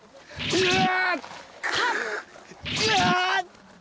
うわ！